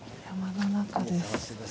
山の中です。